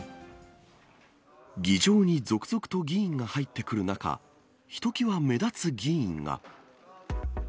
議場に続々と議員が入ってくる中、ひときわ目立つ議員が。